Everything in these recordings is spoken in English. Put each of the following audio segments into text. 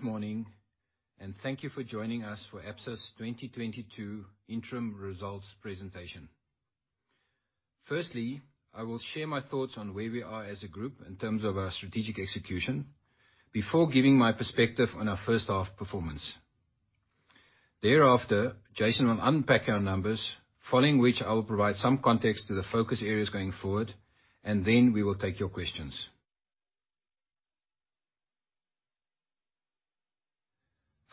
Good morning, and thank you for joining us for Absa's 2022 interim results presentation. Firstly, I will share my thoughts on where we are as a group in terms of our strategic execution before giving my perspective on our first half performance. Thereafter, Jason will unpack our numbers, following which I will provide some context to the focus areas going forward, and then we will take your questions.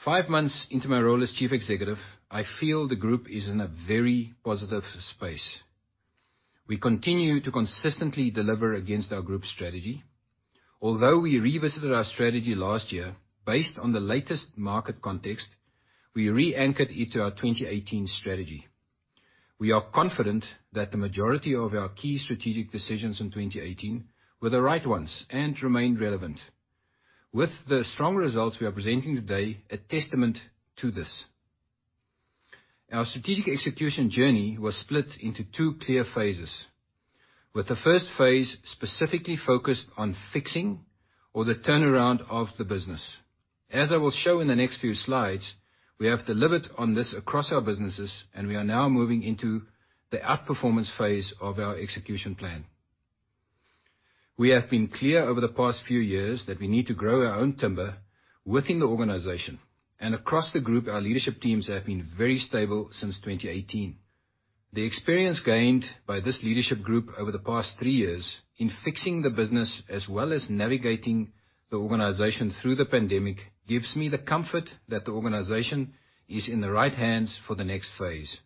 Five months into my role as chief executive, I feel the group is in a very positive space. We continue to consistently deliver against our group strategy. Although we revisited our strategy last year, based on the latest market context, we re-anchored it to our 2018 strategy. We are confident that the majority of our key strategic decisions in 2018 were the right ones and remained relevant. With the strong results we are presenting today, a testament to this. Our strategic execution journey was split into two clear phases, with the first phase specifically focused on fixing or the turnaround of the business. As I will show in the next few slides, we have delivered on this across our businesses, and we are now moving into the outperformance phase of our execution plan. We have been clear over the past few years that we need to grow our own timber within the organization and across the group. Our leadership teams have been very stable since 2018. The experience gained by this leadership group over the past three years in fixing the business as well as navigating the organization through the pandemic, gives me the comfort that the organization is in the right hands for the next phase.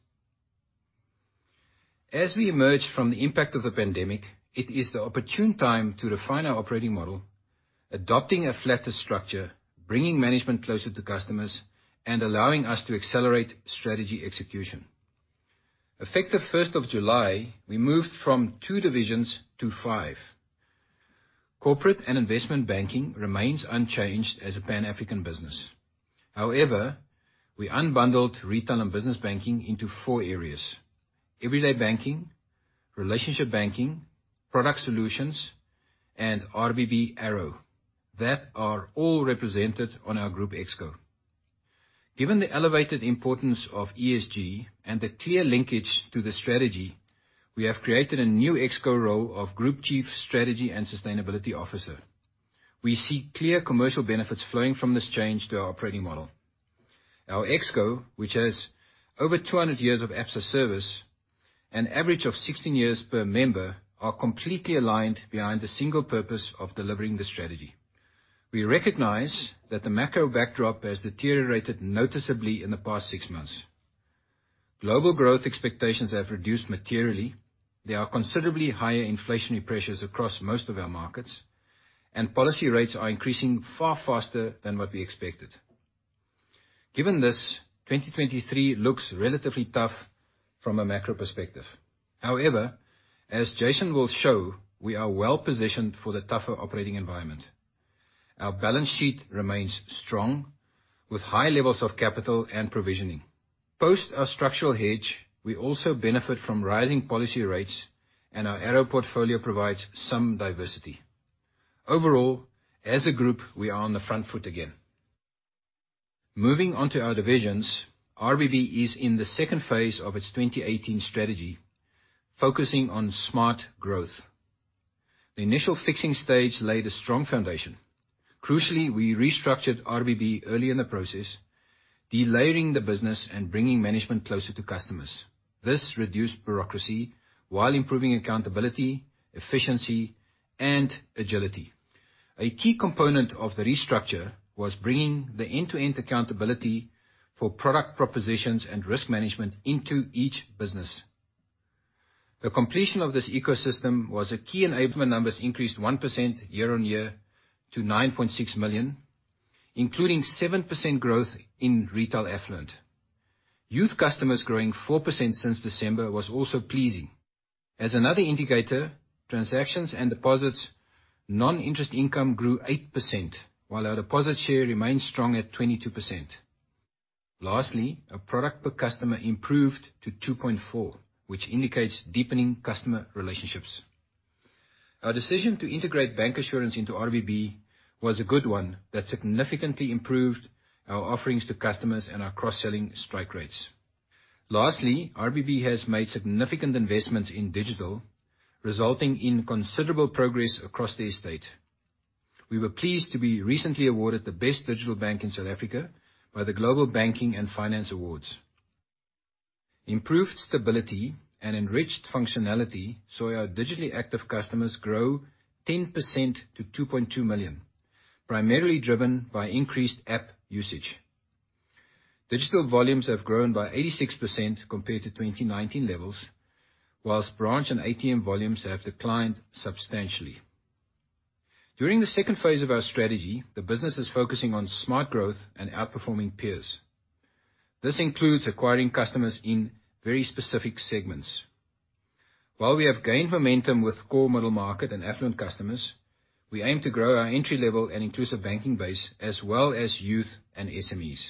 As we emerge from the impact of the pandemic, it is the opportune time to refine our operating model, adopting a flatter structure, bringing management closer to customers and allowing us to accelerate strategy execution. Effective first of July, we moved from two divisions to five. Corporate and Investment Banking remains unchanged as a Pan-African business. However, we unbundled retail and business banking into four areas, everyday banking, relationship banking, product solutions, and RBB ARO that are all represented on our Group ExCo. Given the elevated importance of ESG and the clear linkage to the strategy, we have created a new ExCo role of Group Chief Strategy and Sustainability Officer. We see clear commercial benefits flowing from this change to our operating model. Our ExCo, which has over 200 years of Absa service, an average of 16 years per member, are completely aligned behind the single purpose of delivering the strategy. We recognize that the macro backdrop has deteriorated noticeably in the past six months. Global growth expectations have reduced materially. There are considerably higher inflationary pressures across most of our markets, and policy rates are increasing far faster than what we expected. Given this, 2023 looks relatively tough from a macro perspective. However, as Jason will show, we are well-positioned for the tougher operating environment. Our balance sheet remains strong with high levels of capital and provisioning. Post our structural hedge, we also benefit from rising policy rates, and our ARO portfolio provides some diversity. Overall, as a group, we are on the front foot again. Moving on to our divisions. RBB is in the second phase of its 2018 strategy, focusing on smart growth. The initial fixing stage laid a strong foundation. Crucially, we restructured RBB early in the process, delayering the business and bringing management closer to customers. This reduced bureaucracy while improving accountability, efficiency, and agility. A key component of the restructure was bringing the end-to-end accountability for product propositions and risk management into each business. The completion of this ecosystem was a key enablement. Numbers increased 1% year-on-year to 9.6 million, including 7% growth in retail affluent. Youth customers growing 4% since December was also pleasing. As another indicator, transactions and deposits, non-interest income grew 8%, while our deposit share remains strong at 22%. Lastly, our product per customer improved to 2.4, which indicates deepening customer relationships. Our decision to integrate bancassurance into RBB was a good one that significantly improved our offerings to customers and our cross-selling strike rates. Lastly, RBB has made significant investments in digital, resulting in considerable progress across the estate. We were pleased to be recently awarded the best digital bank in South Africa by the Global Banking & Finance Awards. Improved stability and enriched functionality saw our digitally active customers grow 10% to 2.2 million, primarily driven by increased app usage. Digital volumes have grown by 86% compared to 2019 levels, while branch and ATM volumes have declined substantially. During the second phase of our strategy, the business is focusing on smart growth and outperforming peers. This includes acquiring customers in very specific segments. While we have gained momentum with core middle market and affluent customers, we aim to grow our entry-level and inclusive banking base as well as youth and SMEs.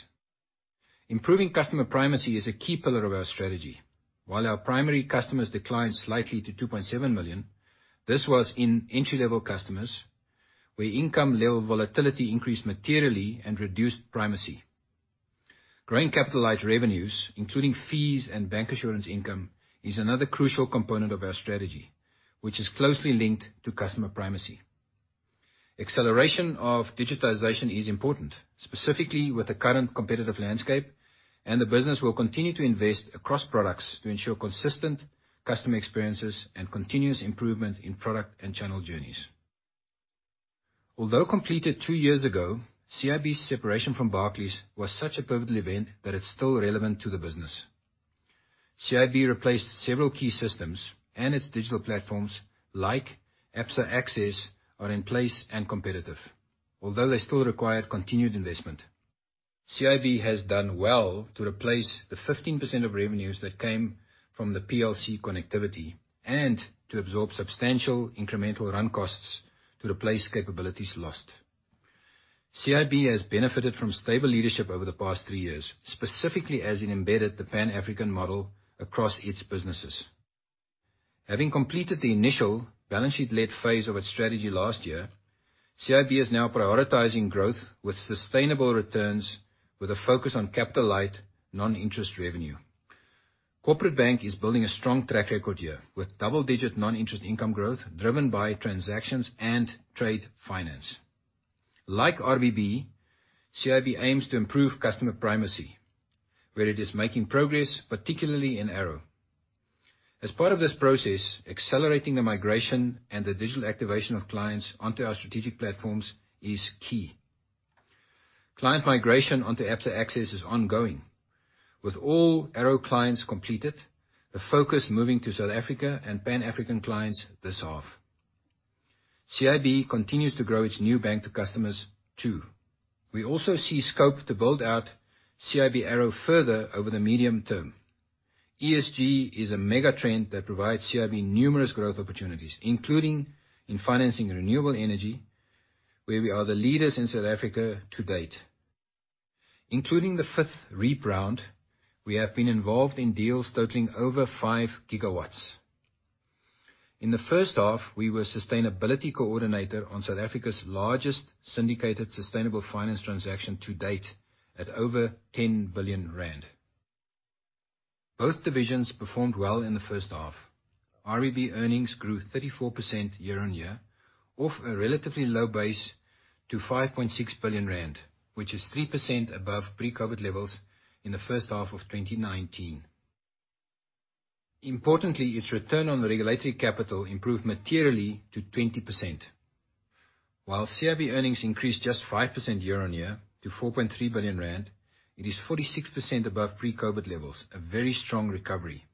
Improving customer primacy is a key pillar of our strategy. While our primary customers declined slightly to 2.7 million, this was in entry-level customers where income level volatility increased materially and reduced primacy. Growing capitalized revenues, including fees and bancassurance income, is another crucial component of our strategy, which is closely linked to customer primacy. Acceleration of digitization is important, specifically with the current competitive landscape, and the business will continue to invest across products to ensure consistent customer experiences and continuous improvement in product and channel journeys. Although completed two years ago, CIB's separation from Barclays was such a pivotal event that it's still relevant to the business. CIB replaced several key systems and its digital platforms like Absa Access are in place and competitive, although they still require continued investment. CIB has done well to replace the 15% of revenues that came from the PLC connectivity and to absorb substantial incremental run costs to replace capabilities lost. CIB has benefited from stable leadership over the past three years, specifically as it embedded the Pan-African model across its businesses. Having completed the initial balance sheet-led phase of its strategy last year, CIB is now prioritizing growth with sustainable returns with a focus on capital light non-interest revenue. Corporate Bank is building a strong track record here with double-digit non-interest income growth driven by transactions and trade finance. Like RBB, CIB aims to improve customer primacy, where it is making progress, particularly in ARO. As part of this process, accelerating the migration and the digital activation of clients onto our strategic platforms is key. Client migration onto Absa Access is ongoing. With all ARO clients completed, the focus moving to South Africa and Pan-African clients this half. CIB continues to grow its new-to-bank customers, too. We also see scope to build out CIB ARO further over the medium term. ESG is a mega trend that provides CIB numerous growth opportunities, including in financing renewable energy, where we are the leaders in South Africa to date. Including the fifth REIPPPP round, we have been involved in deals totaling over 5 GW. In the first half, we were sustainability coordinator on South Africa's largest syndicated sustainable finance transaction to date at over 10 billion rand. Both divisions performed well in the first half. RBB earnings grew 34% year-on-year off a relatively low base to 5.6 billion rand, which is 3% above pre-COVID levels in the first half of 2019. Importantly, its return on regulatory capital improved materially to 20%. While CIB earnings increased just 5% year-on-year to 4.3 billion rand, it is 46% above pre-COVID levels, a very strong recovery.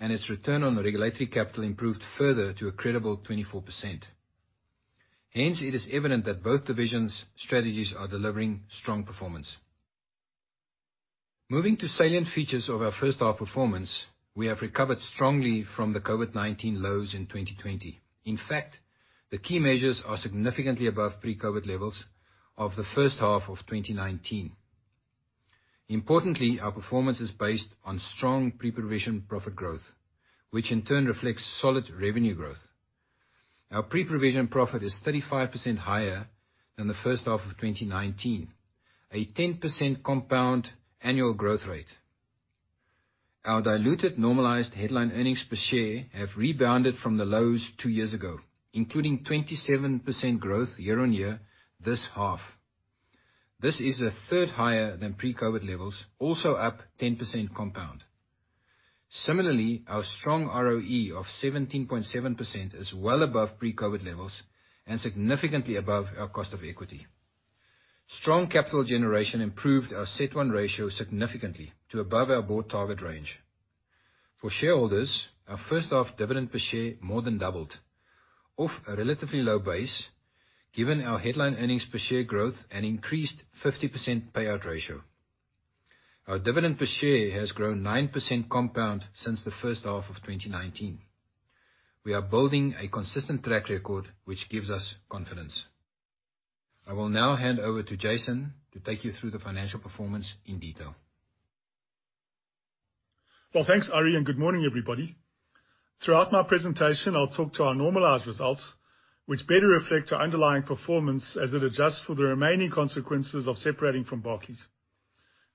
Its return on regulatory capital improved further to a credible 24%. Hence, it is evident that both divisions strategies are delivering strong performance. Moving to salient features of our first half performance, we have recovered strongly from the COVID-19 lows in 2020. In fact, the key measures are significantly above pre-COVID levels of the first half of 2019. Importantly, our performance is based on strong pre-provision profit growth, which in turn reflects solid revenue growth. Our pre-provision profit is 35% higher than the first half of 2019, a 10% compound annual growth rate. Our diluted normalized headline earnings per share have rebounded from the lows two years ago, including 27% growth year-on-year this half. This is a third higher than pre-COVID levels, also up 10% compound. Similarly, our strong ROE of 17.7% is well above pre-COVID levels and significantly above our cost of equity. Strong capital generation improved our CET1 ratio significantly to above our board target range. For shareholders, our first half dividend per share more than doubled off a relatively low base given our headline earnings per share growth and increased 50% payout ratio. Our dividend per share has grown 9% compound since the first half of 2019. We are building a consistent track record, which gives us confidence. I will now hand over to Jason to take you through the financial performance in detail. Well, thanks, Ari, and good morning, everybody. Throughout my presentation, I'll talk to our normalized results, which better reflect our underlying performance as it adjusts for the remaining consequences of separating from Barclays.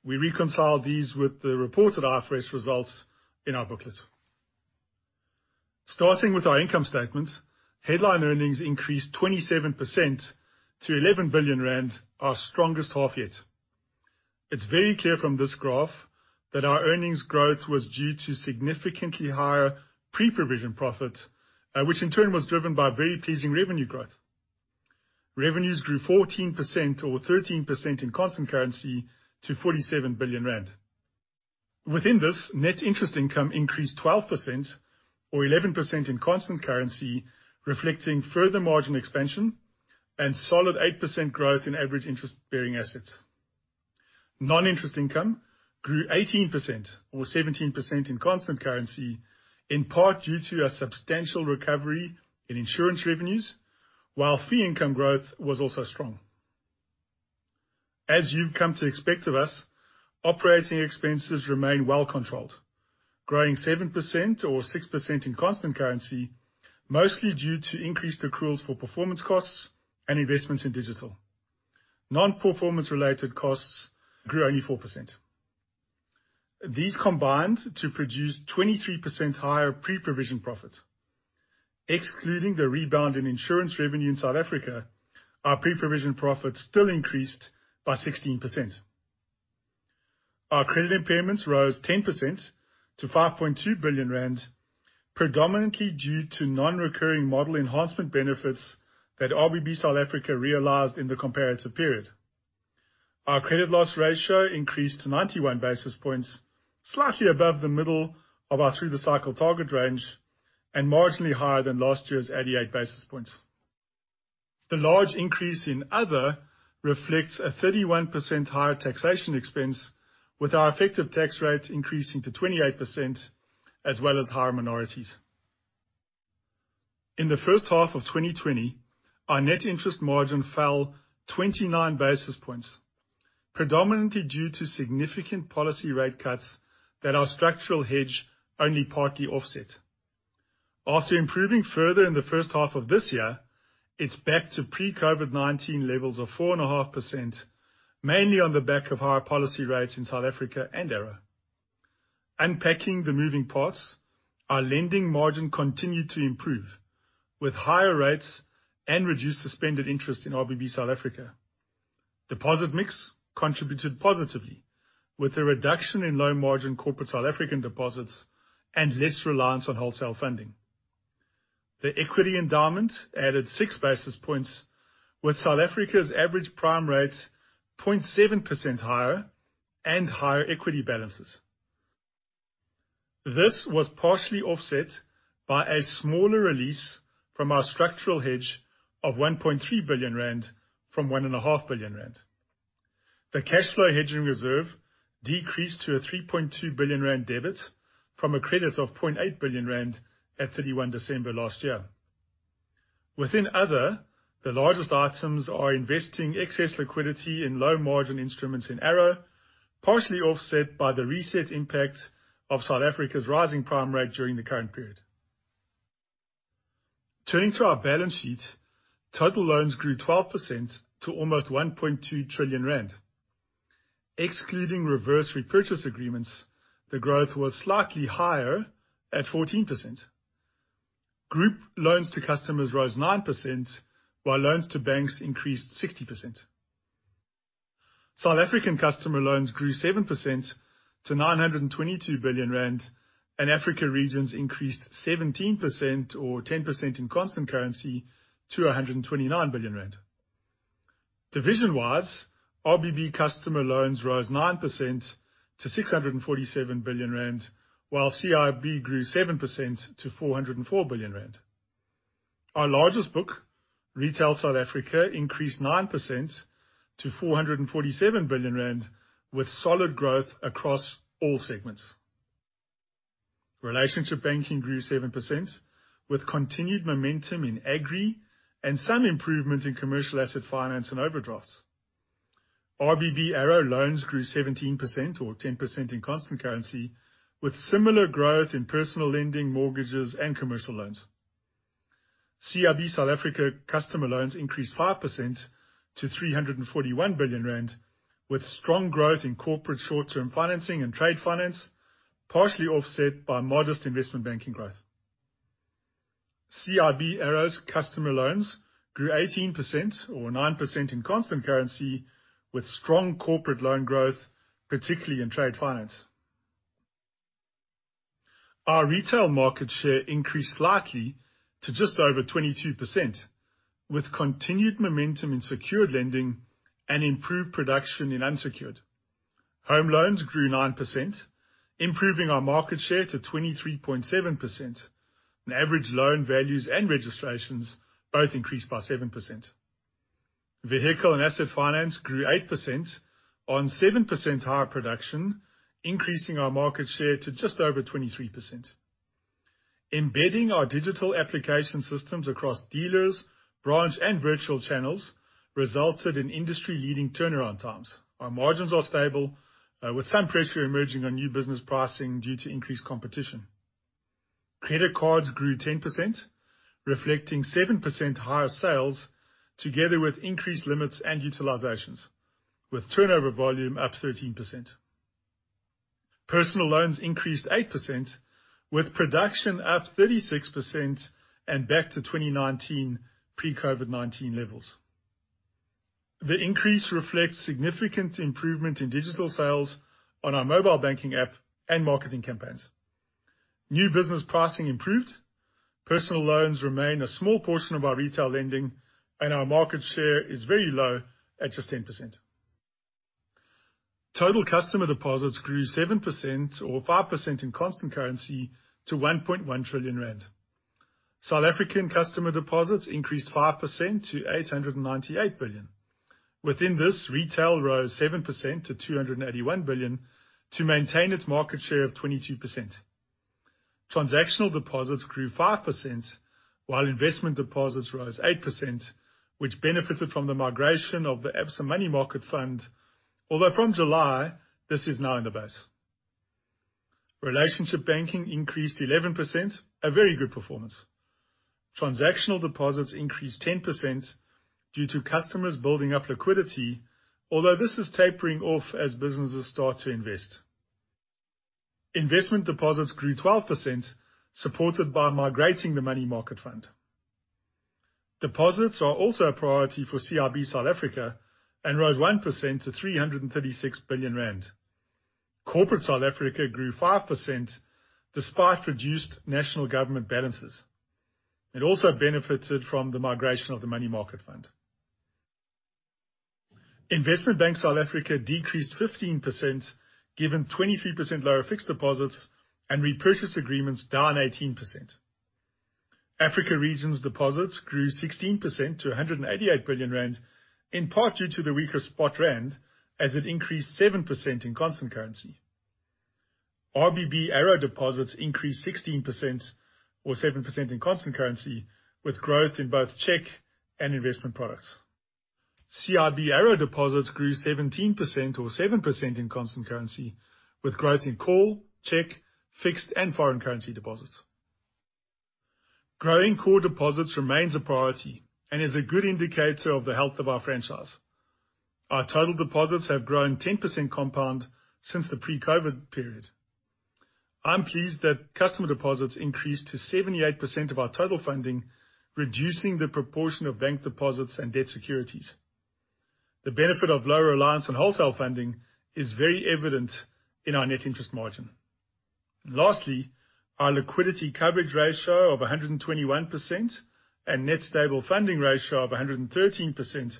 We reconcile these with the reported IFRS results in our booklet. Starting with our income statement, headline earnings increased 27% to 11 billion rand, our strongest half yet. It's very clear from this graph that our earnings growth was due to significantly higher pre-provision profit, which in turn was driven by very pleasing revenue growth. Revenues grew 14% or 13% in constant currency to 47 billion rand. Within this, net interest income increased 12% or 11% in constant currency, reflecting further margin expansion and solid 8% growth in average interest-bearing assets. Non-interest income grew 18% or 17% in constant currency, in part due to a substantial recovery in insurance revenues. While fee income growth was also strong. As you've come to expect of us, operating expenses remain well-controlled, growing 7% or 6% in constant currency, mostly due to increased accruals for performance costs and investments in digital. Non-performance related costs grew only 4%. These combined to produce 23% higher pre-provision profits. Excluding the rebound in insurance revenue in South Africa, our pre-provision profits still increased by 16%. Our credit impairments rose 10% to 5.2 billion rand, predominantly due to non-recurring model enhancement benefits that RBB South Africa realized in the comparative period. Our credit loss ratio increased to 91 basis points, slightly above the middle of our through-the-cycle target range and marginally higher than last year's 88 basis points. The large increase in other reflects a 31% higher taxation expense with our effective tax rate increasing to 28% as well as higher minorities. In the first half of 2020, our net interest margin fell 29 basis points, predominantly due to significant policy rate cuts that our structural hedge only partly offset. After improving further in the first half of this year, it's back to pre-COVID-19 levels of 4.5%, mainly on the back of higher policy rates in South Africa and ARO. Unpacking the moving parts, our lending margin continued to improve with higher rates and reduced suspended interest in RBB South Africa. Deposit mix contributed positively with a reduction in low margin corporate South African deposits and less reliance on wholesale funding. The equity endowment added 6 basis points with South Africa's average prime rate 0.7% higher and higher equity balances. This was partially offset by a smaller release from our structural hedge of 1.3 billion rand from 1.5 billion rand. The cash flow hedging reserve decreased to a 3.2 billion rand debit from a credit of 0.8 billion rand at 31 December last year. Within other, the largest items are investing excess liquidity in low margin instruments in ARO, partially offset by the reset impact of South Africa's rising prime rate during the current period. Turning to our balance sheet, total loans grew 12% to almost 1.2 trillion rand. Excluding reverse repurchase agreements, the growth was slightly higher at 14%. Group loans to customers rose 9%, while loans to banks increased 60%. South African customer loans grew 7% to 922 billion rand, and Africa Regions increased 17% or 10% in constant currency to 129 billion rand. Division-wise, RBB customer loans rose 9% to 647 billion rand, while CIB grew 7% to 404 billion rand. Our largest book, Retail South Africa, increased 9% to 447 billion rand with solid growth across all segments. Relationship Banking grew 7% with continued momentum in agri and some improvement in commercial asset finance and overdrafts. RBB ARO loans grew 17% or 10% in constant currency with similar growth in personal lending, mortgages, and commercial loans. CIB South Africa customer loans increased 5% to 341 billion rand with strong growth in corporate short-term financing and trade finance, partially offset by modest investment banking growth. CIB ARO's customer loans grew 18% or 9% in constant currency with strong corporate loan growth, particularly in trade finance. Our retail market share increased slightly to just over 22% with continued momentum in secured lending and improved production in unsecured. Home loans grew 9%, improving our market share to 23.7%. Average loan values and registrations both increased by 7%. Vehicle and asset finance grew 8% on 7% higher production, increasing our market share to just over 23%. Embedding our digital application systems across dealers, branch, and virtual channels resulted in industry-leading turnaround times. Our margins are stable, with some pressure emerging on new business pricing due to increased competition. Credit cards grew 10%, reflecting 7% higher sales together with increased limits and utilizations with turnover volume up 13%. Personal loans increased 8% with production up 36% and back to 2019 pre-COVID-19 levels. The increase reflects significant improvement in digital sales on our mobile banking app and marketing campaigns. New business pricing improved. Personal loans remain a small portion of our retail lending, and our market share is very low at just 10%. Total customer deposits grew 7% or 5% in constant currency to 1.1 trillion rand. South African customer deposits increased 5% to 898 billion. Within this, retail rose 7% to 281 billion to maintain its market share of 22%. Transactional deposits grew 5%, while investment deposits rose 8%, which benefited from the migration of the Absa Money Market Fund. Although from July, this is now in the base. Relationship banking increased 11%, a very good performance. Transactional deposits increased 10% due to customers building up liquidity, although this is tapering off as businesses start to invest. Investment deposits grew 12%, supported by migrating the Money Market Fund. Deposits are also a priority for CIB South Africa and rose 1% to 336 billion rand. Corporate South Africa grew 5% despite reduced national government balances. It also benefited from the migration of the Money Market Fund. Investment Bank South Africa decreased 15% given 23% lower fixed deposits and repurchase agreements down 18%. Africa Regions' deposits grew 16% to 188 billion rand, in part due to the weaker spot rand as it increased 7% in constant currency. RBB ARO deposits increased 16% or 7% in constant currency with growth in both check and investment products. CIB ARO deposits grew 17% or 7% in constant currency with growth in call, check, fixed and foreign currency deposits. Growing core deposits remains a priority and is a good indicator of the health of our franchise. Our total deposits have grown 10% compound since the pre-COVID period. I'm pleased that customer deposits increased to 78% of our total funding, reducing the proportion of bank deposits and debt securities. The benefit of lower reliance on wholesale funding is very evident in our net interest margin. Lastly, our Liquidity Coverage Ratio of 121% and Net Stable Funding Ratio of 113%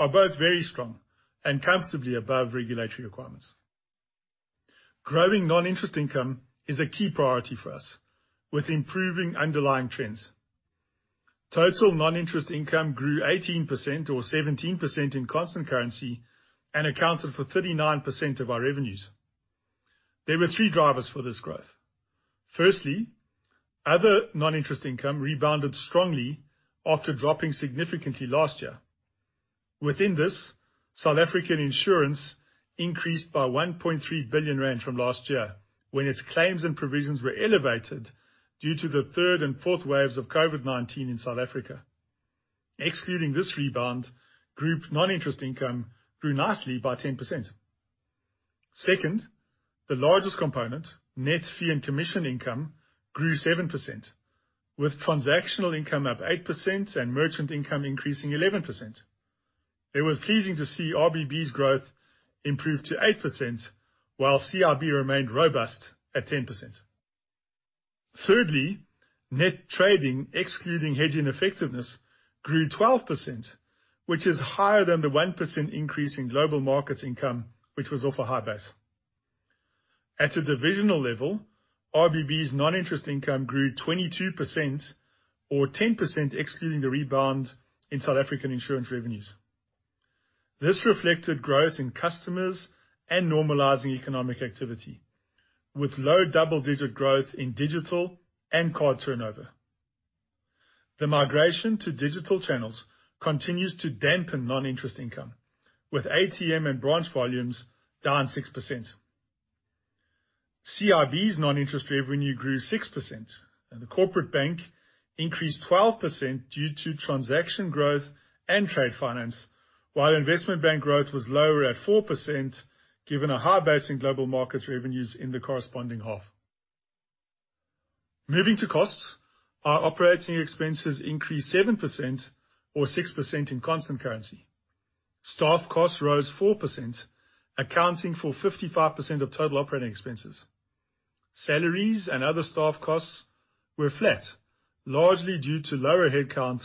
are both very strong and comfortably above regulatory requirements. Growing non-interest income is a key priority for us with improving underlying trends. Total non-interest income grew 18% or 17% in constant currency and accounted for 39% of our revenues. There were three drivers for this growth. Firstly, other non-interest income rebounded strongly after dropping significantly last year. Within this, South African insurance increased by 1.3 billion rand from last year when its claims and provisions were elevated due to the third and fourth waves of COVID-19 in South Africa. Excluding this rebound, group non-interest income grew nicely by 10%. Second, the largest component, net fee and commission income, grew 7%, with transactional income up 8% and merchant income increasing 11%. It was pleasing to see RBB's growth improve to 8% while CIB remained robust at 10%. Thirdly, net trading, excluding hedging effectiveness, grew 12%, which is higher than the 1% increase in global markets income, which was off a high base. At a divisional level, RBB's non-interest income grew 22% or 10% excluding the rebound in South African insurance revenues. This reflected growth in customers and normalizing economic activity, with low double-digit growth in digital and card turnover. The migration to digital channels continues to dampen non-interest income, with ATM and branch volumes down 6%. CIB's non-interest revenue grew 6%, and the corporate bank increased 12% due to transaction growth and trade finance. While investment bank growth was lower at 4% given a high base in global markets revenues in the corresponding half. Moving to costs, our operating expenses increased 7% or 6% in constant currency. Staff costs rose 4%, accounting for 55% of total operating expenses. Salaries and other staff costs were flat, largely due to lower headcount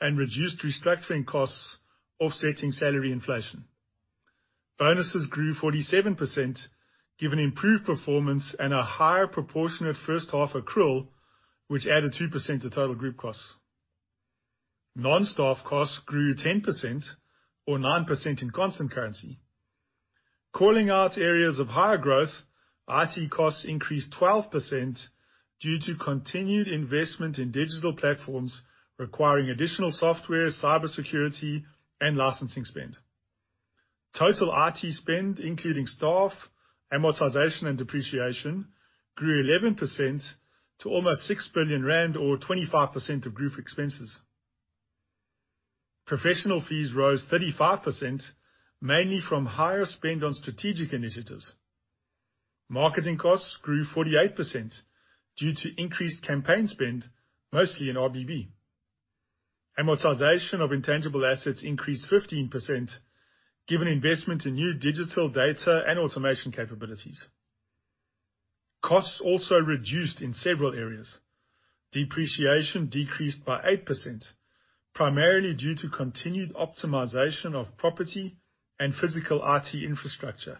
and reduced restructuring costs offsetting salary inflation. Bonuses grew 47% given improved performance and a higher proportionate first half accrual, which added 2% to total group costs. Non-staff costs grew 10% or 9% in constant currency. Calling out areas of higher growth, IT costs increased 12% due to continued investment in digital platforms requiring additional software, cyber security, and licensing spend. Total IT spend, including staff, amortization, and depreciation, grew 11% to almost 6 billion rand or 25% of group expenses. Professional fees rose 35%, mainly from higher spend on strategic initiatives. Marketing costs grew 48% due to increased campaign spend, mostly in RBB. Amortization of intangible assets increased 15% given investment in new digital data and automation capabilities. Costs also reduced in several areas. Depreciation decreased by 8%, primarily due to continued optimization of property and physical IT infrastructure.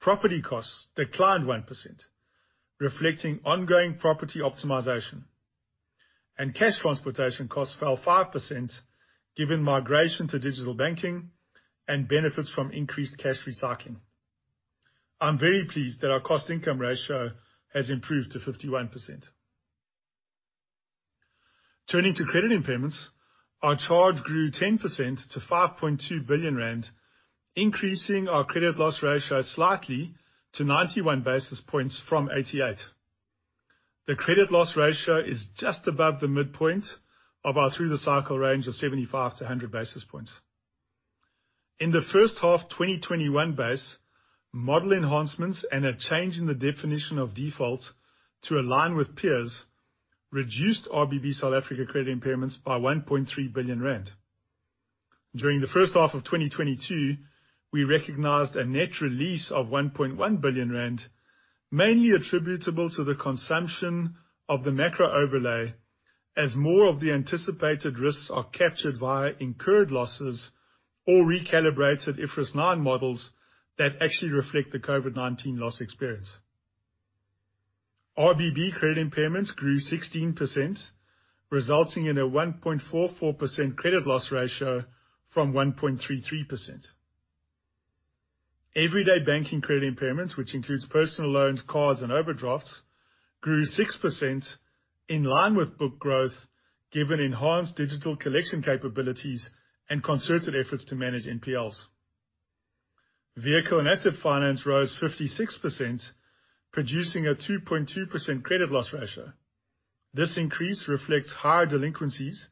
Property costs declined 1%, reflecting ongoing property optimization. Cash transportation costs fell 5% given migration to digital banking and benefits from increased cash recycling. I'm very pleased that our cost income ratio has improved to 51%. Turning to credit impairments, our charge grew 10% to 5.2 billion rand, increasing our credit loss ratio slightly to 91 basis points from 88. The credit loss ratio is just above the midpoint of our through the cycle range of 75-100 basis points. In the first half of 2021 base, model enhancements and a change in the definition of default to align with peers reduced RBB South Africa credit impairments by 1.3 billion rand. During the first half of 2022, we recognized a net release of 1.1 billion rand, mainly attributable to the consumption of the macro overlay as more of the anticipated risks are captured via incurred losses or recalibrated IFRS 9 models that actually reflect the COVID-19 loss experience. RBB credit impairments grew 16%, resulting in a 1.44% credit loss ratio from 1.33%. Everyday banking credit impairments, which includes personal loans, cards, and overdrafts, grew 6% in line with book growth given enhanced digital collection capabilities and concerted efforts to manage NPLs. Vehicle and asset finance rose 56%, producing a 2.2% credit loss ratio. This increase reflects higher delinquencies,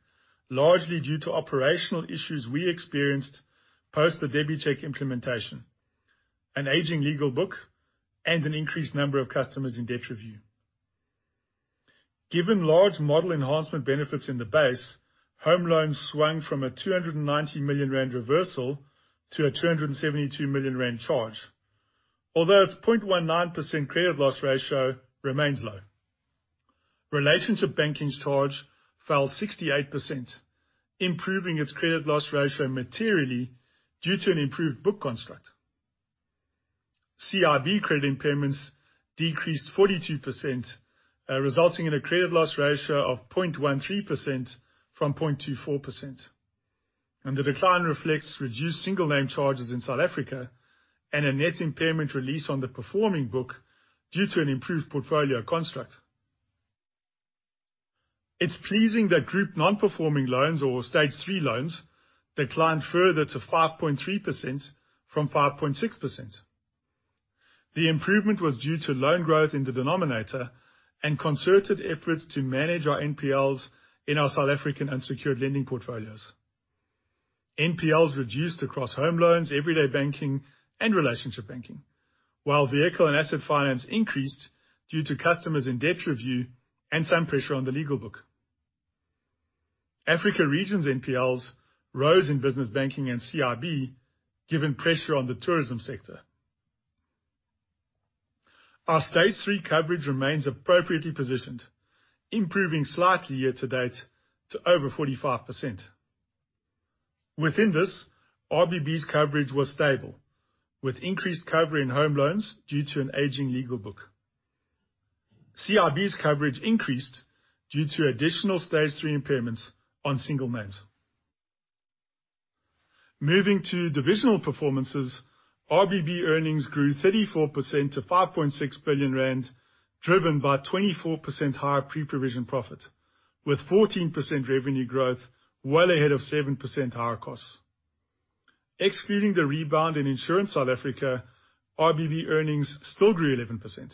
largely due to operational issues we experienced post the DebiCheck implementation, an aging legal book, and an increased number of customers in debt review. Given large model enhancement benefits in the base, home loans swung from a 290 million rand reversal to a 272 million rand charge. Although its 0.19% credit loss ratio remains low. Relationship Banking's charge fell 68%, improving its credit loss ratio materially due to an improved book construct. CIB credit impairments decreased 42%, resulting in a credit loss ratio of 0.13% from 0.24%. The decline reflects reduced single name charges in South Africa and a net impairment release on the performing book due to an improved portfolio construct. It's pleasing that group non-performing loans or Stage 3 loans declined further to 5.3% from 5.6%. The improvement was due to loan growth in the denominator and concerted efforts to manage our NPLs in our South African unsecured lending portfolios. NPLs reduced across home loans, Everyday Banking, and Relationship Banking. While vehicle and asset finance increased due to customers in debt review and some pressure on the legal book. Africa Regions NPLs rose in business banking and CIB given pressure on the tourism sector. Our Stage 3 coverage remains appropriately positioned, improving slightly year to date to over 45%. Within this, RBB's coverage was stable, with increased cover in home loans due to an aging legal book. CIB's coverage increased due to additional Stage 3 impairments on single names. Moving to divisional performances, RBB earnings grew 34% to 5.6 billion rand, driven by 24% higher pre-provision profit, with 14% revenue growth well ahead of 7% higher costs. Excluding the rebound in Insurance South Africa, RBB earnings still grew 11%.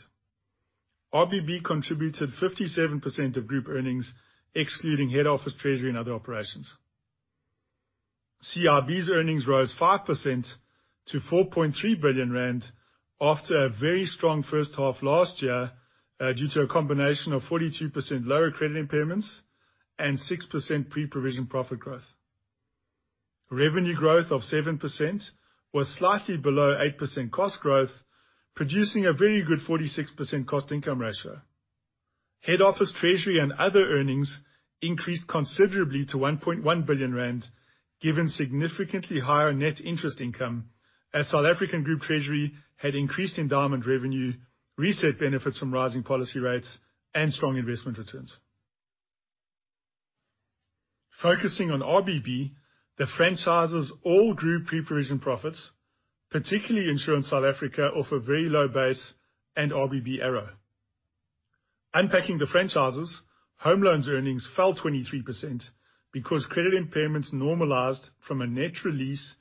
RBB contributed 57% of group earnings excluding Head Office Treasury and other operations. CIB's earnings rose 5% to 4.3 billion rand after a very strong first half last year, due to a combination of 42% lower credit impairments and 6% pre-provision profit growth. Revenue growth of 7% was slightly below 8% cost growth, producing a very good 46% cost-to-income ratio. Head Office Treasury and other earnings increased considerably to 1.1 billion rand, given significantly higher net interest income as South African Group Treasury had increased endowment revenue, reset benefits from rising policy rates, and strong investment returns. Focusing on RBB, the franchises all grew pre-provision profits, particularly Insurance South Africa off a very low base and RBB ARO. Unpacking the franchises, home loans earnings fell 23% because credit impairments normalized from a net release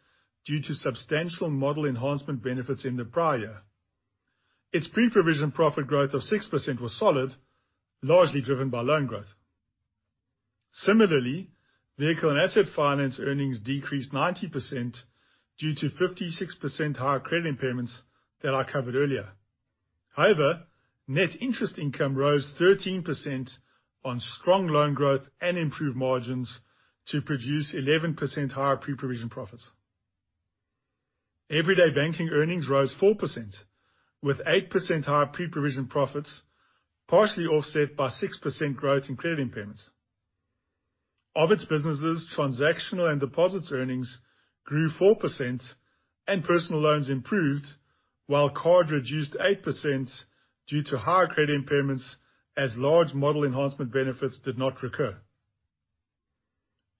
due to substantial model enhancement benefits in the prior. Its pre-provision profit growth of 6% was solid, largely driven by loan growth. Similarly, vehicle and asset finance earnings decreased 90% due to 56% higher credit impairments that I covered earlier. However, net interest income rose 13% on strong loan growth and improved margins to produce 11% higher pre-provision profits. Everyday Banking earnings rose 4% with 8% higher pre-provision profits, partially offset by 6% growth in credit impairments. Of its businesses, transactional and deposits earnings grew 4% and personal loans improved, while card reduced 8% due to higher credit impairments as large model enhancement benefits did not recur.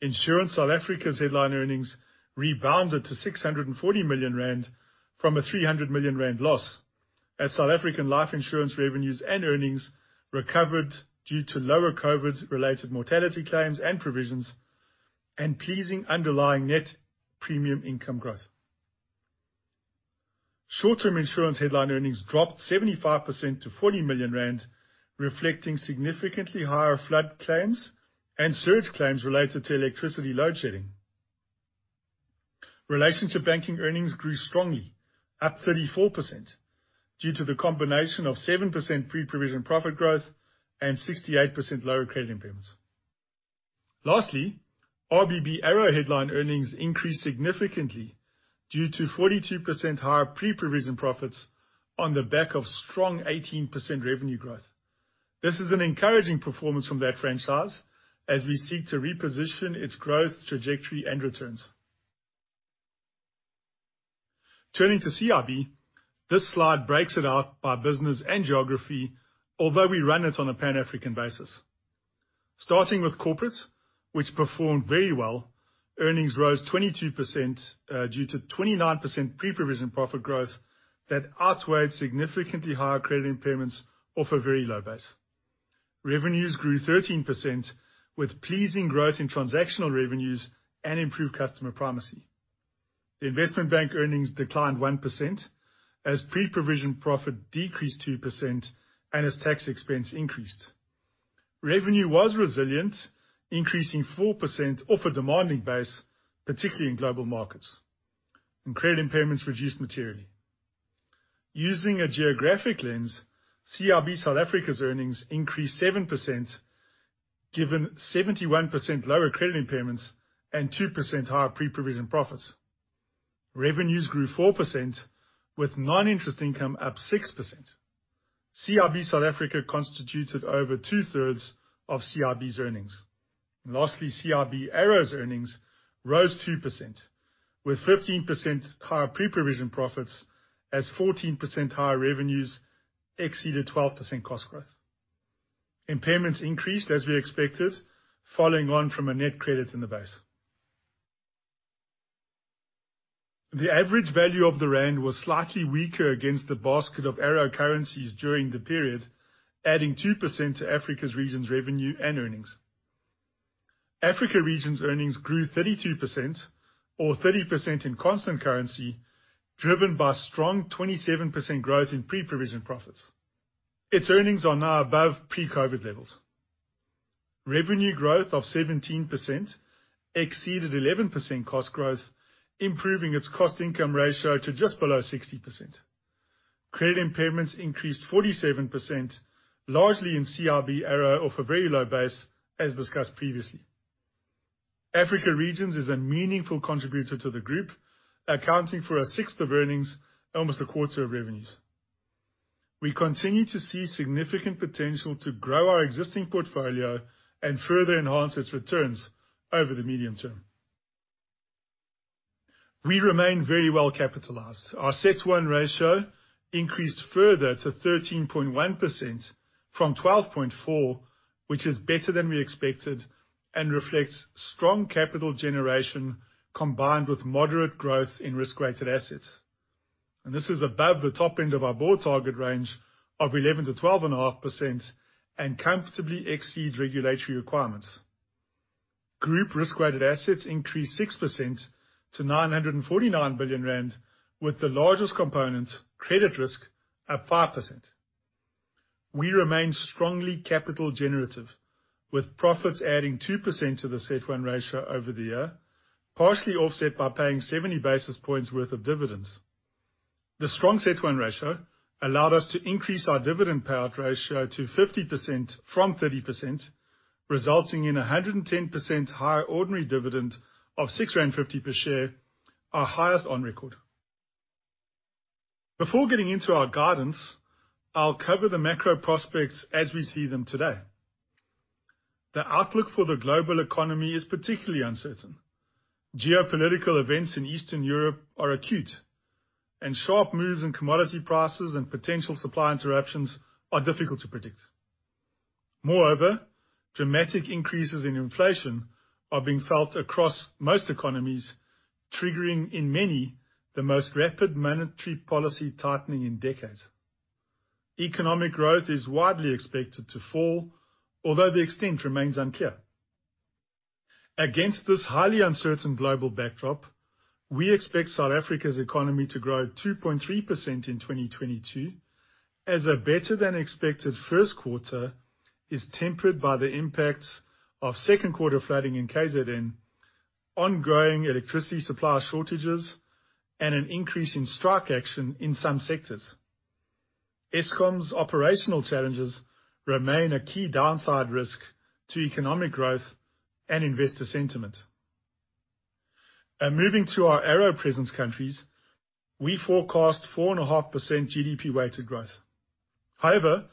Insurance South Africa's headline earnings rebounded to 640 million rand from a 300 million rand loss. As South African life insurance revenues and earnings recovered due to lower COVID related mortality claims and provisions, and pleasing underlying net premium income growth. Short-term insurance headline earnings dropped 75% to 40 million rand, reflecting significantly higher flood claims and surge claims related to electricity load shedding. Relationship Banking earnings grew strongly up 34% due to the combination of 7% pre-provision profit growth and 68% lower credit impairments. Lastly, RBB ARO headline earnings increased significantly due to 42% higher pre-provision profits on the back of strong 18% revenue growth. This is an encouraging performance from that franchise as we seek to reposition its growth, trajectory, and returns. Turning to CIB, this slide breaks it out by business and geography, although we run it on a Pan-African basis. Starting with corporates, which performed very well, earnings rose 22%, due to 29% pre-provision profit growth that outweighed significantly higher credit impairments off a very low base. Revenues grew 13% with pleasing growth in transactional revenues and improved customer primacy. The investment bank earnings declined 1% as pre-provision profit decreased 2% and as tax expense increased. Revenue was resilient, increasing 4% off a demanding base, particularly in global markets, and credit impairments reduced materially. Using a geographic lens, CIB South Africa's earnings increased 7%, given 71% lower credit impairments and 2% higher pre-provision profits. Revenues grew 4% with non-interest income up 6%. CIB South Africa constituted over two-thirds of CIB's earnings. Lastly, CIB ARO's earnings rose 2%, with 15% higher pre-provision profits as 14% higher revenues exceeded 12% cost growth. Impairments increased as we expected, following on from a net credit in the base. The average value of the rand was slightly weaker against the basket of ARO currencies during the period, adding 2% to Africa regions revenue and earnings. Africa regions earnings grew 32% or 30% in constant currency, driven by strong 27% growth in pre-provision profits. Its earnings are now above pre-COVID levels. Revenue growth of 17% exceeded 11% cost growth, improving its cost-to-income ratio to just below 60%. Credit impairments increased 47%, largely in CIB ARO from a very low base, as discussed previously. Africa Regions is a meaningful contributor to the group, accounting for a sixth of earnings, almost a quarter of revenues. We continue to see significant potential to grow our existing portfolio and further enhance its returns over the medium term. We remain very well capitalized. Our CET1 ratio increased further to 13.1% from 12.4%, which is better than we expected and reflects strong capital generation combined with moderate growth in risk-weighted assets. This is above the top end of our board target range of 11%-12.5% and comfortably exceeds regulatory requirements. Group risk-weighted assets increased 6% to 949 billion rand, with the largest component, credit risk, at 5%. We remain strongly capital generative, with profits adding 2% to the CET1 ratio over the year, partially offset by paying 70 basis points worth of dividends. The strong CET1 ratio allowed us to increase our dividend payout ratio to 50% from 30%, resulting in a 110% higher ordinary dividend of 6.50 per share, our highest on record. Before getting into our guidance, I'll cover the macro prospects as we see them today. The outlook for the global economy is particularly uncertain. Geopolitical events in Eastern Europe are acute, and sharp moves in commodity prices and potential supply interruptions are difficult to predict. Moreover, dramatic increases in inflation are being felt across most economies, triggering in many the most rapid monetary policy tightening in decades. Economic growth is widely expected to fall, although the extent remains unclear. Against this highly uncertain global backdrop, we expect South Africa's economy to grow 2.3% in 2022 as a better-than-expected first quarter is tempered by the impacts of second quarter flooding in KZN, ongoing electricity supply shortages, and an increase in strike action in some sectors. Eskom's operational challenges remain a key downside risk to economic growth and investor sentiment. Moving to our ARO presence countries, we forecast 4.5% GDP weighted growth. However,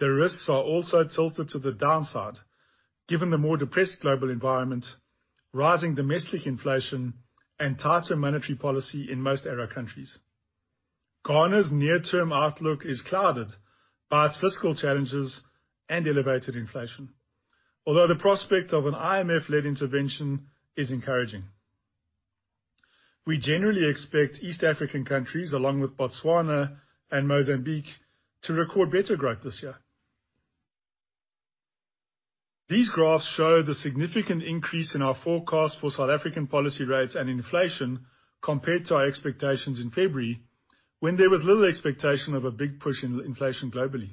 the risks are also tilted to the downside, given the more depressed global environment, rising domestic inflation and tighter monetary policy in most ARO countries. Ghana's near-term outlook is clouded by its fiscal challenges and elevated inflation. Although the prospect of an IMF-led intervention is encouraging, we generally expect East African countries, along with Botswana and Mozambique, to record better growth this year. These graphs show the significant increase in our forecast for South African policy rates and inflation compared to our expectations in February, when there was little expectation of a big push in inflation globally.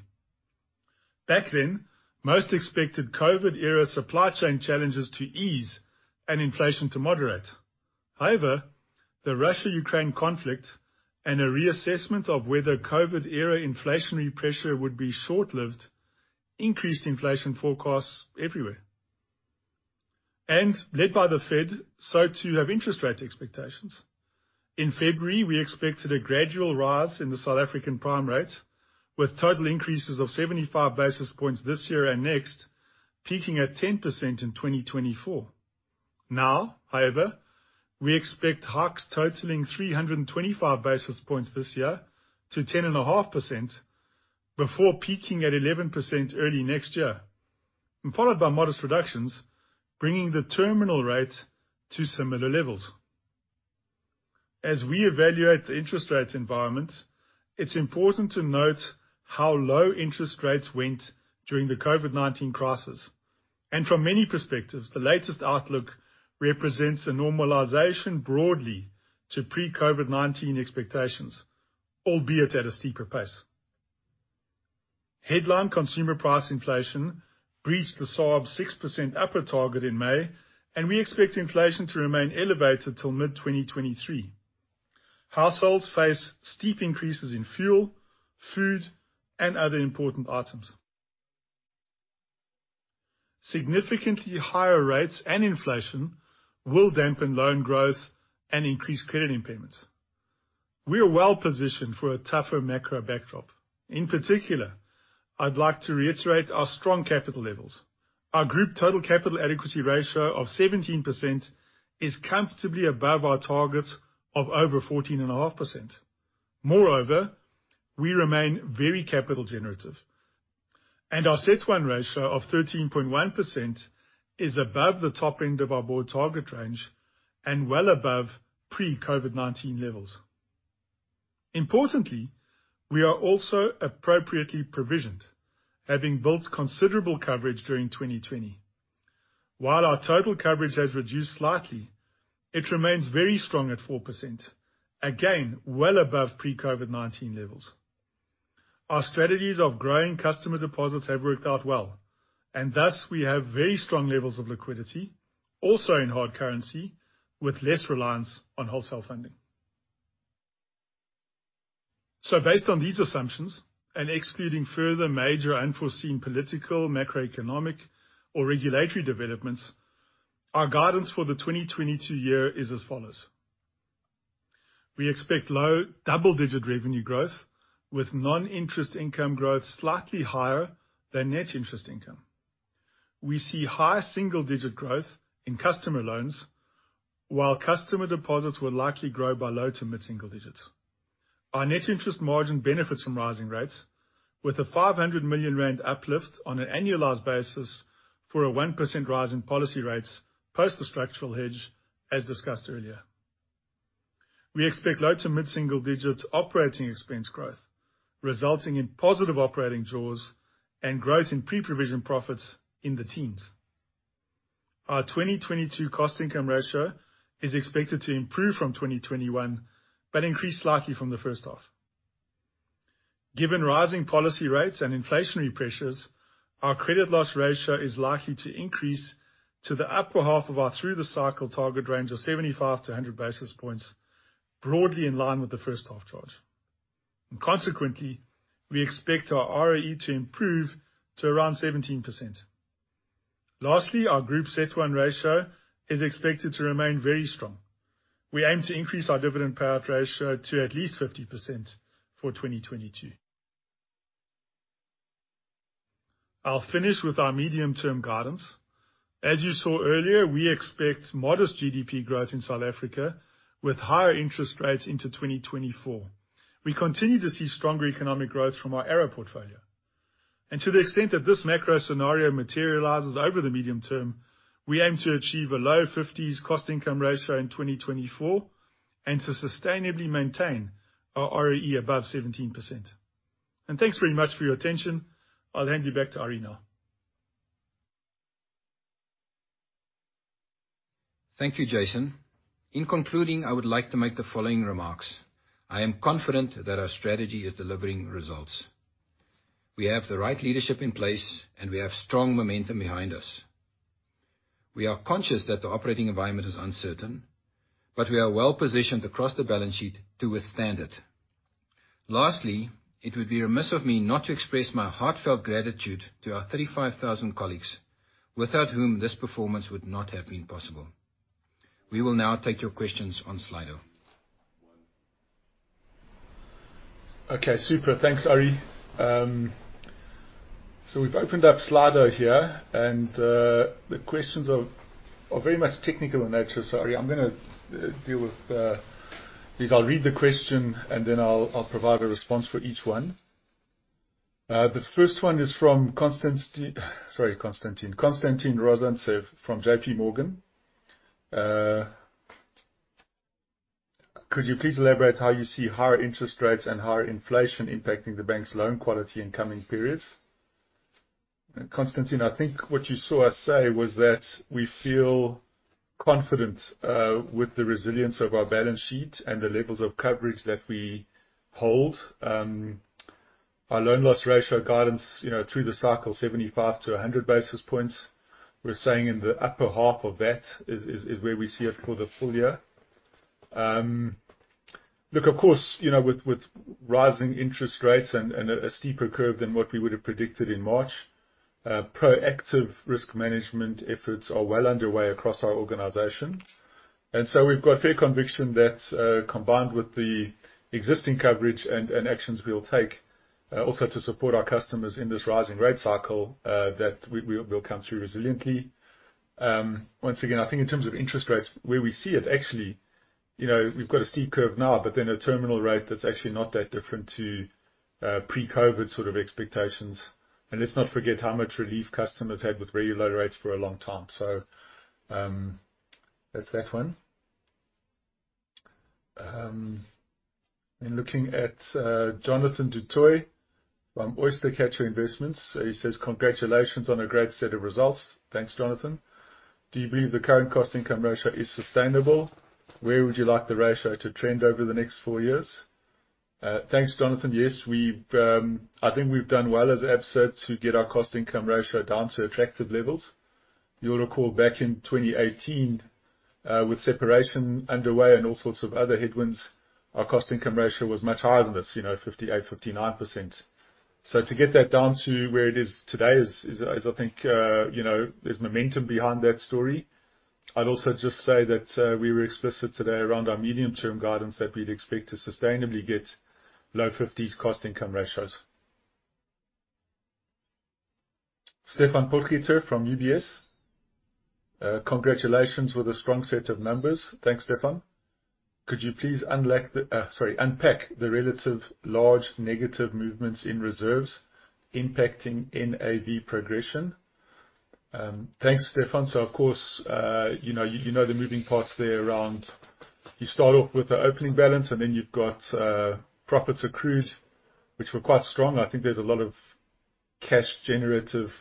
Back then, most expected COVID era supply chain challenges to ease and inflation to moderate. However, the Russia-Ukraine conflict and a reassessment of whether COVID era inflationary pressure would be short-lived increased inflation forecasts everywhere, and led by the Fed, so too have interest rate expectations. In February, we expected a gradual rise in the South African prime rate, with total increases of 75 basis points this year and next, peaking at 10% in 2024. Now, however, we expect hikes totaling 325 basis points this year to 10.5%, before peaking at 11% early next year, and followed by modest reductions, bringing the terminal rate to similar levels. As we evaluate the interest rate environment, it's important to note how low interest rates went during the COVID-19 crisis. From many perspectives, the latest outlook represents a normalization broadly to pre-COVID-19 expectations, albeit at a steeper pace. Headline consumer price inflation breached the SARB 6% upper target in May, and we expect inflation to remain elevated till mid-2023. Households face steep increases in fuel, food, and other important items. Significantly higher rates and inflation will dampen loan growth and increase credit impairments. We are well positioned for a tougher macro backdrop. In particular, I'd like to reiterate our strong capital levels. Our group total capital adequacy ratio of 17% is comfortably above our targets of over 14.5%. Moreover, we remain very capital generative, and our CET1 ratio of 13.1% is above the top end of our board target range and well above pre-COVID-19 levels. Importantly, we are also appropriately provisioned, having built considerable coverage during 2020. While our total coverage has reduced slightly, it remains very strong at 4%, again, well above pre-COVID-19 levels. Our strategies of growing customer deposits have worked out well, and thus we have very strong levels of liquidity, also in hard currency, with less reliance on wholesale funding. Based on these assumptions, and excluding further major unforeseen political, macroeconomic, or regulatory developments, our guidance for the 2022 year is as follows. We expect low double-digit revenue growth with non-interest income growth slightly higher than net interest income. We see high single-digit growth in customer loans, while customer deposits will likely grow by low- to mid-single digits. Our net interest margin benefits from rising rates with a 500 million rand uplift on an annualized basis for a 1% rise in policy rates post the structural hedge, as discussed earlier. We expect low- to mid-single-digit operating expense growth, resulting in positive operating jaws and growth in pre-provision profits in the teens. Our 2022 cost-to-income ratio is expected to improve from 2021, but increase slightly from the first half. Given rising policy rates and inflationary pressures, our credit loss ratio is likely to increase to the upper half of our through the cycle target range of 75-100 basis points, broadly in line with the first half charge. Consequently, we expect our ROE to improve to around 17%. Lastly, our group CET1 ratio is expected to remain very strong. We aim to increase our dividend payout ratio to at least 50% for 2022. I'll finish with our medium-term guidance. As you saw earlier, we expect modest GDP growth in South Africa with higher interest rates into 2024. We continue to see stronger economic growth from our ARO portfolio. To the extent that this macro scenario materializes over the medium term, we aim to achieve a low 50s cost-to-income ratio in 2024 and to sustainably maintain our ROE above 17%. Thanks very much for your attention. I'll hand you back to Ari now. Thank you, Jason. In concluding, I would like to make the following remarks. I am confident that our strategy is delivering results. We have the right leadership in place, and we have strong momentum behind us. We are conscious that the operating environment is uncertain, but we are well positioned across the balance sheet to withstand it. Lastly, it would be remiss of me not to express my heartfelt gratitude to our 35,000 colleagues, without whom this performance would not have been possible. We will now take your questions on Slido. Okay, super. Thanks, Ari. We've opened up Slido here, and the questions are very much technical in nature. Ari, I'm gonna deal with these. I'll read the question and then I'll provide a response for each one. The first one is from Konstantin Rozantsev from J.P. Morgan. Could you please elaborate how you see higher interest rates and higher inflation impacting the bank's loan quality in coming periods? Konstantin, I think what you saw us say was that we feel confident with the resilience of our balance sheet and the levels of coverage that we hold. Our loan loss ratio guidance, you know, through the cycle, 75-100 basis points. We're saying in the upper half of that is where we see it for the full year. Look, of course, you know, with rising interest rates and a steeper curve than what we would have predicted in March, proactive risk management efforts are well underway across our organization. We've got fair conviction that, combined with the existing coverage and actions we'll take, also to support our customers in this rising rate cycle, that we'll come through resiliently. Once again, I think in terms of interest rates, where we see it actually, you know, we've got a steep curve now, but then a terminal rate that's actually not that different to pre-COVID sort of expectations. Let's not forget how much relief customers had with very low rates for a long time. That's that one. Looking at Jonathan du Toit from OysterCatcher Investments. He says, "Congratulations on a great set of results." Thanks, Jonathan. Do you believe the current cost-to-income ratio is sustainable? Where would you like the ratio to trend over the next four years? Thanks, Jonathan. Yes, we've. I think we've done well as Absa to get our cost-to-income ratio down to attractive levels. You'll recall back in 2018, with separation underway and all sorts of other headwinds, our cost-to-income ratio was much higher than this, you know, 58%, 59%. To get that down to where it is today is, I think, you know, there's momentum behind that story. I'd also just say that, we were explicit today around our medium-term guidance that we'd expect to sustainably get low 50s cost-to-income ratios. Stefan Potgieter from UBS. Congratulations with a strong set of numbers. Thanks, Stefan. Could you please unpack the relatively large negative movements in reserves impacting NAV progression? Thanks, Stefan. Of course, you know, you know the moving parts there around, you start off with the opening balance, and then you've got profits accrued, which were quite strong. I think there's a lot of cash generative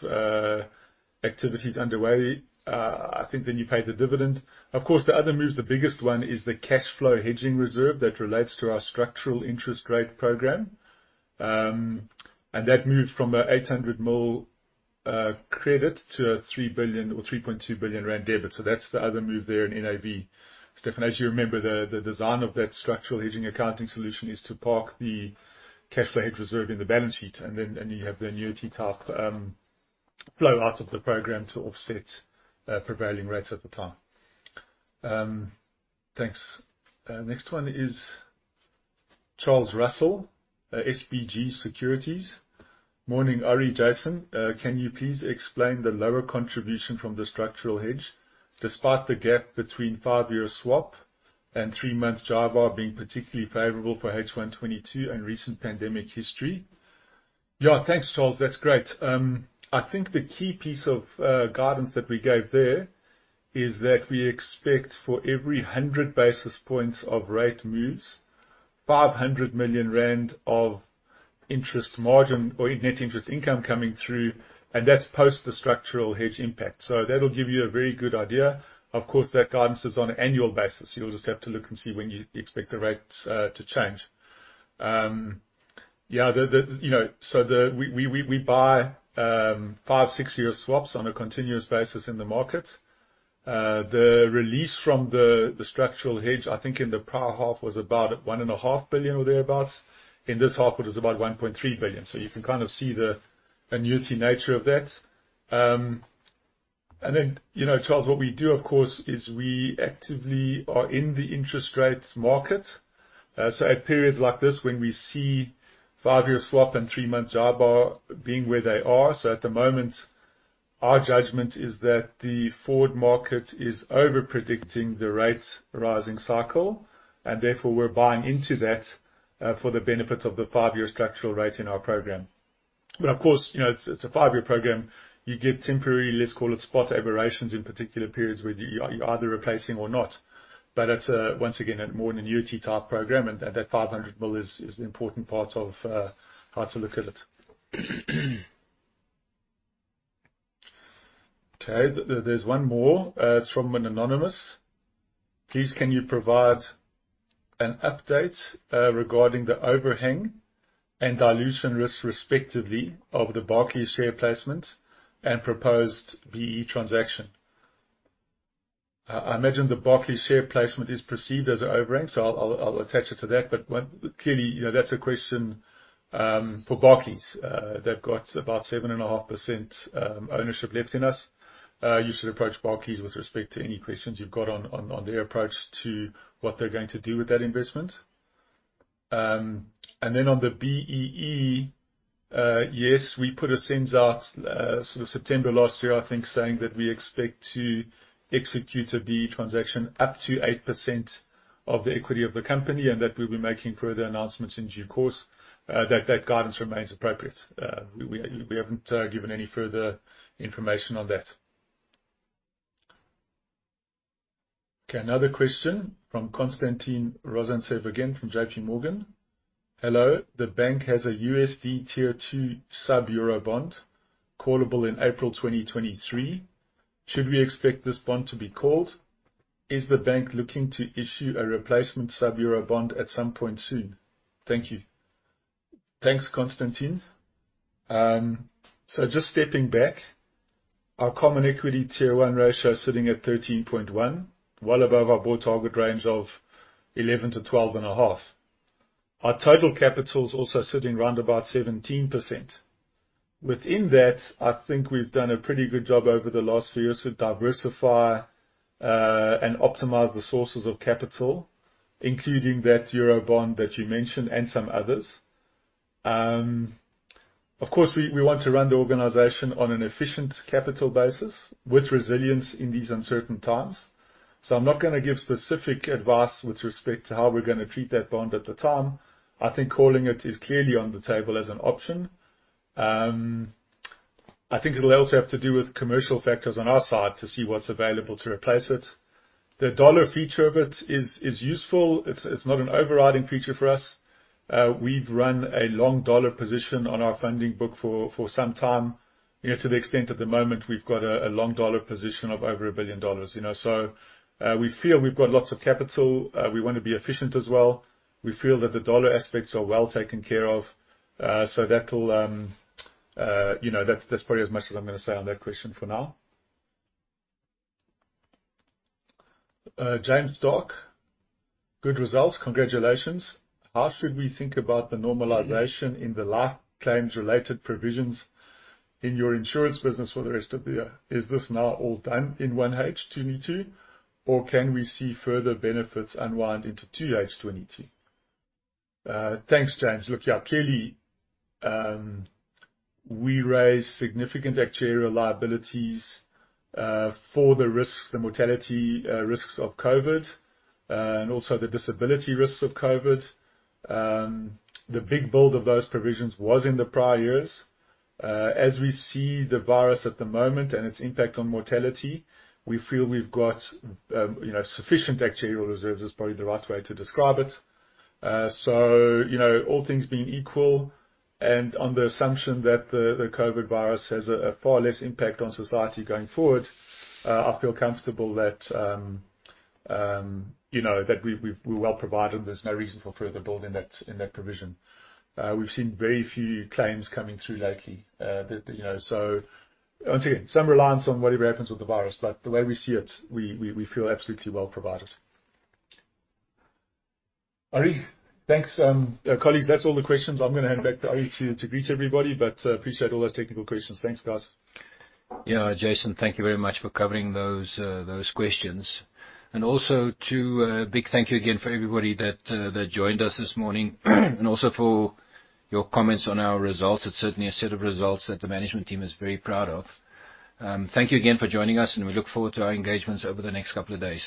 activities underway. I think then you pay the dividend. Of course, the other moves, the biggest one is the cash flow hedging reserve that relates to our structural interest rate program. And that moved from a 800 million credit to a 3 billion or 3.2 billion rand debit. That's the other move there in NAV. Stephan, as you remember, the design of that structural hedging accounting solution is to park the cash flow hedge reserve in the balance sheet, and then you have the annuity type flow out of the program to offset prevailing rates at the time. Thanks. Next one is Charles Russell, SBG Securities. Morning, Arrie, Jason. Can you please explain the lower contribution from the structural hedge despite the gap between five-year swap and three-month JIBAR being particularly favorable for H1 2022 in recent pandemic history? Yeah. Thanks, Charles. That's great. I think the key piece of guidance that we gave there is that we expect for every 100 basis points of rate moves, 500 million rand of interest margin or net interest income coming through, and that's post the structural hedge impact. That'll give you a very good idea. Of course, that guidance is on an annual basis. You'll just have to look and see when you expect the rates to change. Yeah. The you know we buy five- and six-year swaps on a continuous basis in the market. The release from the structural hedge, I think in the prior half, was about 1.5 billion or thereabout. In this half, it was about 1.3 billion. You can kind of see the annuity nature of that. And then, you know, Charles, what we do, of course, is we actively are in the interest rates market. At periods like this when we see five-year swap and three-month JIBAR being where they are. At the moment, our judgment is that the forward market is over-predicting the rate-rising cycle, and therefore, we're buying into that for the benefit of the five-year structural rate in our program. Of course, you know, it's a five-year program. You get temporary, let's call it, spot aberrations in particular periods where you're either replacing or not. It's once again a more an annuity type program. That 500 million is an important part of how to look at it. Okay. There's one more. It's from an anonymous. Please, can you provide an update regarding the overhang and dilution risks respectively of the Barclays share placement and proposed BEE transaction? I imagine the Barclays share placement is perceived as an overhang, so I'll attach it to that. What... Clearly, you know, that's a question for Barclays. They've got about 7.5% ownership left in us. You should approach Barclays with respect to any questions you've got on their approach to what they're going to do with that investment. On the BEE, yes, we put a SENS out, sort of September last year, I think, saying that we expect to execute a BEE transaction up to 8% of the equity of the company, and that we'll be making further announcements in due course. That guidance remains appropriate. We haven't given any further information on that. Okay, another question from Konstantin Rozantsev again, from J.P. Morgan. Hello. The bank has a USD Tier 2 sub Eurobond callable in April 2023. Should we expect this bond to be called? Is the bank looking to issue a replacement sub Eurobond at some point soon? Thank you. Thanks, Konstantin. Just stepping back, our common equity Tier 1 ratio is sitting at 13.1, well above our core target range of 11-12.5. Our total capital is also sitting round about 17%. Within that, I think we've done a pretty good job over the last few years to diversify and optimize the sources of capital, including that Eurobond that you mentioned and some others. Of course, we want to run the organization on an efficient capital basis with resilience in these uncertain times. I'm not gonna give specific advice with respect to how we're gonna treat that bond at the time. I think calling it is clearly on the table as an option. I think it'll also have to do with commercial factors on our side to see what's available to replace it. The dollar feature of it is useful. It's not an overriding feature for us. We've run a long dollar position on our funding book for some time. You know, to the extent at the moment, we've got a long dollar position of over $1 billion, you know? We feel we've got lots of capital. We wanna be efficient as well. We feel that the dollar aspects are well taken care of. That'll, you know, that's probably as much as I'm gonna say on that question for now. James Dark. Good results. Congratulations. How should we think about the normalization in the life claims-related provisions in your insurance business for the rest of the year? Is this now all done in 1H 2022, or can we see further benefits unwind into 2H 2022? Thanks, James. Look, yeah, clearly, we raised significant actuarial liabilities for the risks, the mortality risks of COVID, and also the disability risks of COVID. The big build of those provisions was in the prior years. As we see the virus at the moment and its impact on mortality, we feel we've got, you know, sufficient actuarial reserves is probably the right way to describe it. So, you know, all things being equal, and on the assumption that the COVID virus has a far less impact on society going forward, I feel comfortable that, you know, that we're well provided. There's no reason for further build in that provision. We've seen very few claims coming through lately. Once again, some reliance on whatever happens with the virus, but the way we see it, we feel absolutely well provided. Arrie. Thanks, colleagues. That's all the questions. I'm gonna hand back to Arrie to greet everybody, but appreciate all those technical questions. Thanks, guys. Yeah, Jason, thank you very much for covering those questions. Also, a big thank you again for everybody that joined us this morning and also for your comments on our results. It's certainly a set of results that the management team is very proud of. Thank you again for joining us, and we look forward to our engagements over the next couple of days.